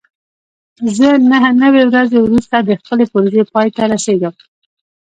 زه نهه نوي ورځې وروسته د خپلې پروژې پای ته رسېږم.